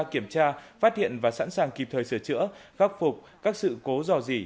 kiểm tra phát hiện và sẵn sàng kịp thời sửa chữa khắc phục các sự cố dò dỉ